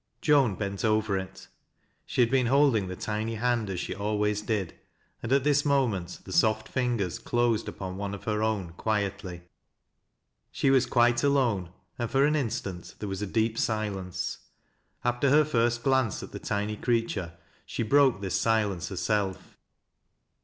Joan bent over it. She had been holding the tiny hand as she always did, and at this mo ment the soft fingers closed upon one of her own quietly. She was quite alone, and for an instant there was a deep silence. After her first glance at the tiny creature, she broke this silence herself.